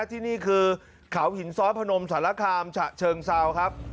ที่นี่คือเขาหินซ้อนพนมสารคามฉะเชิงเซาครับ